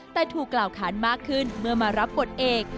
แต่ถูกกล่าวค้านมากขึ้นเมื่อมารับบทเอก